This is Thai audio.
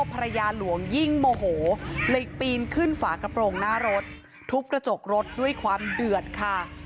ภรรยาหลวงยิ่งโมโหเลยปีนขึ้นฝากระโปรงหน้ารถทุบกระจกรถด้วยความเดือดค่ะ